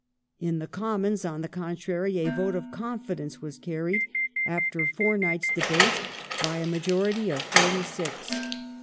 In the Commons, on the contrary, a vote of confidence was carried, after four nights' debate, by a majority of forty six.